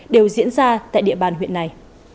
đều diễn ra tại địa bàn huyện này